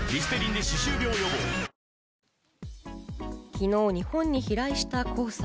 昨日、日本に飛来した黄砂。